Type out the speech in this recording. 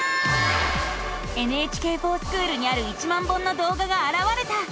「ＮＨＫｆｏｒＳｃｈｏｏｌ」にある１万本の動画があらわれた！